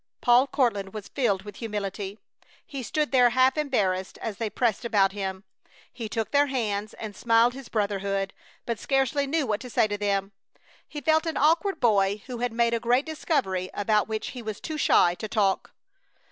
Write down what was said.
Paul Courtland was filled with humility. He stood there half embarrassed as they pressed about him. He took their hands and smiled his brotherhood, but scarcely knew what to say to them. He felt an awkward boy who had made a great discovery about which he was too shy to talk.